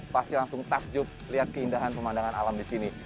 pasti langsung takjub lihat keindahan pemandangan alam di sini